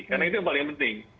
karena itu yang paling penting